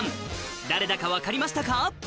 誰だか分かりましたか？